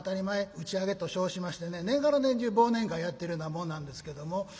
打ち上げと称しましてね年がら年中忘年会やってるようなもんなんですけども。